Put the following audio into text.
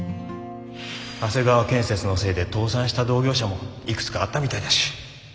長谷川建設のせいで倒産した同業者もいくつかあったみたいだし。